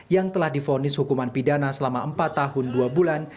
yang telah difonis hukuman pidana selama empat tahun dua bulan